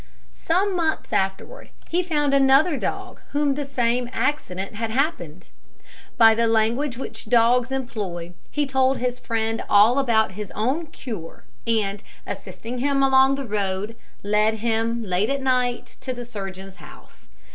Some months afterwards, he found another dog to whom the same accident had happened. By the language which dogs employ, he told his friend all about his own cure, and, assisting him along the road, led him, late at night, to the surgeon's house.